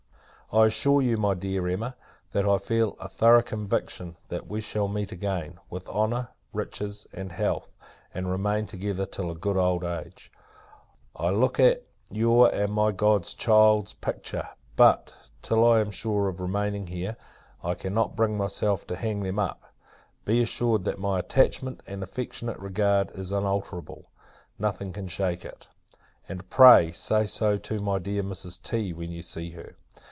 I assure you, my dear Emma, that I feel a thorough conviction, that we shall meet again, with honour, riches, and health, and remain together till a good old age. I look at your and my God's Child's picture; but, till I am sure of remaining here, I cannot bring myself to hang them up. Be assured, that my attachment, and affectionate regard, is unalterable; nothing can shake it! And, pray, say so to my dear Mrs. T. when you see her.